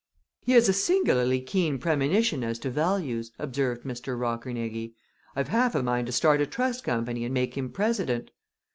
"He has a singularly keen premonition as to values," observed Mr. Rockernegie. "I've half a mind to start a trust company and make him president."